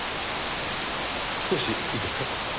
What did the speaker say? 少しいいですか？